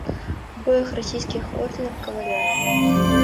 Обоих российских орденов кавалер!..